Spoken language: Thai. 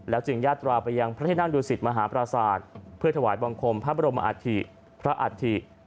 จึงญาตราไปยังพระที่นั่งดูสิตมหาปราศาสตร์เพื่อถวายบังคมพระบรมอัฐิพระอัฐิ